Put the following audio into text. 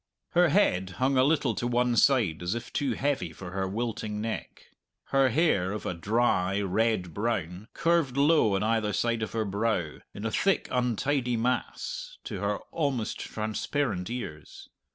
Her head hung a little to one side as if too heavy for her wilting neck. Her hair, of a dry, red brown, curved low on either side of her brow, in a thick, untidy mass, to her almost transparent ears.